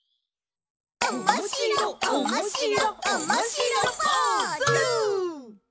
おもしろおもしろおもしろポーズ！